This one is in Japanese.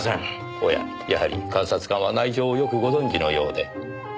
おややはり監察官は内情をよくご存じのようで。